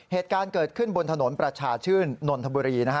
เหตุการณ์เกิดขึ้นบนถนนประชาชื่นนนทบุรีนะฮะ